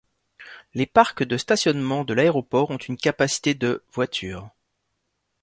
Les parcs de stationnement de l'aéroport ont une capacité de voitures.